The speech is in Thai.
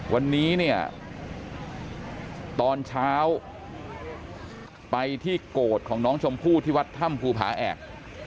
วันนี้เนี่ยตอนเช้าไปที่โกรธของน้องชมพู่ที่วัดถ้ำภูผาแอก